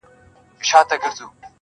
هغې ويل اور~